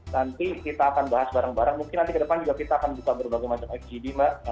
nanti kita akan bahas bareng bareng mungkin nanti ke depan juga kita akan buka berbagai macam fgd mbak